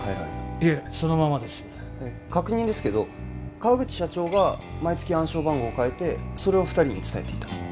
いえそのままです確認ですけど川口社長が毎月暗証番号を変えてそれを二人に伝えていた？